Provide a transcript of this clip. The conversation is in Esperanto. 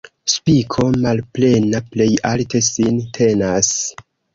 Spiko malplena plej alte sin tenas.